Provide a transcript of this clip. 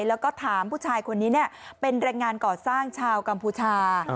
แล้วก็ถามผู้ชายคนนี้เป็นแรงงานก่อสร้างชาวกัมพูชา